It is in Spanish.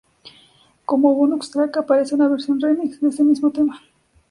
Como "bonus track" aparece una versión "remix" de ese mismo tema.